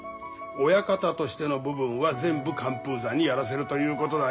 親方としての部分は全部寒風山にやらせるということだよ。